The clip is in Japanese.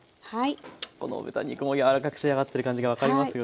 この豚肉も柔らかく仕上がってる感じが分かりますよね。